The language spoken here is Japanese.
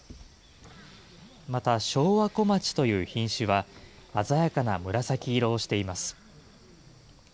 また、昭和小町という品種は鮮やかな紫色をしています。